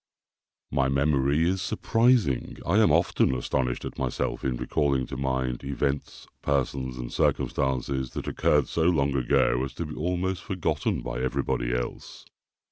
My memory is surprising. I am often astonished at myself in recalling to mind events, persons, and circumstances, that occurred so long ago as to be almost forgotten by everybody else.